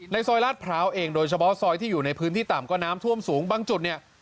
ซอยลาดพร้าวเองโดยเฉพาะซอยที่อยู่ในพื้นที่ต่ำก็น้ำท่วมสูงบางจุดเนี่ย